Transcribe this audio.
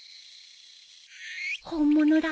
本物だ。